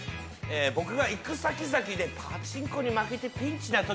僕が行く先々でパチンコに負けてピンチなときですね